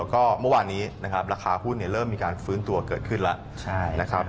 ก็เมื่อวานนี้ราคาหุ้นเริ่มมีการฟื้นตัวเกิดขึ้นแล้ว